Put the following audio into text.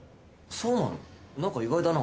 そうなの？